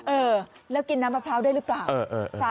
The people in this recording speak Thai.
เออแล้วกินน้ำมะพร้าวได้หรือเปล่า